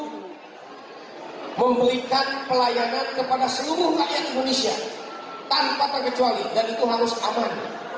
hai memberikan pelayanan kepada seluruh rakyat indonesia tanpa terkecuali dan itu harus aman